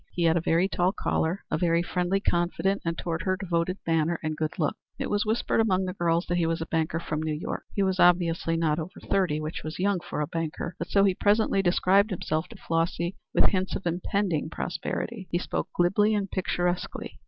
He had a very tall collar, a very friendly, confident, and (toward her) devoted manner, and good looks. It was whispered among the girls that he was a banker from New York. He was obviously not over thirty, which was young for a banker, but so he presently described himself to Flossy with hints of impending prosperity. He spoke glibly and picturesquely.